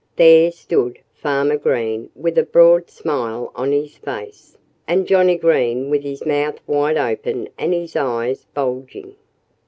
There stood Farmer Green with a broad smile on his face, and Johnnie Green with his mouth wide open and his eyes bulging.